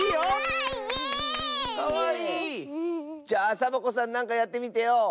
じゃあサボ子さんなんかやってみてよ。